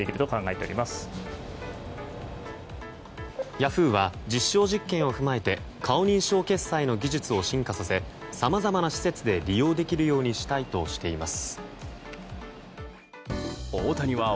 ヤフーは実証実験を踏まえて顔認証決済の技術を進化させさまざまな施設で利用できるようにしたいとしています。